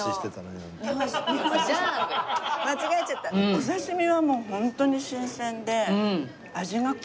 お刺し身はもうホントに新鮮で味が濃い！